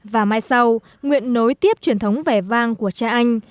và mai sau nguyện nối tiếp truyền thống vẻ vang của cha anh